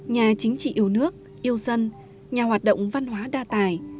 nhà chính trị yêu nước yêu dân nhà hoạt động văn hóa đa tài